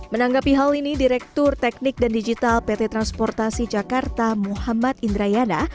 menanggapi hal ini direktur teknik dan digital pt transportasi jakarta muhammad indrayana